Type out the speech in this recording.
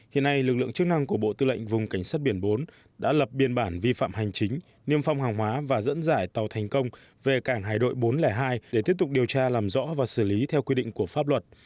hiện nay lực lượng chức năng của bộ tư lệnh vùng cảnh sát biển bốn đã lập biên bản vi phạm hành chính niêm phong hàng hóa và dẫn dải tàu thành công về cảng hải đội bốn trăm linh hai để tiếp tục điều tra làm rõ và xử lý theo quy định của pháp luật